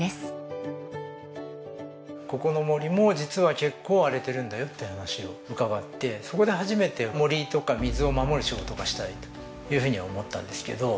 ここの森も実は結構荒れてるんだよって話を伺ってそこで初めて森とか水を守る仕事がしたいというふうに思ったんですけど。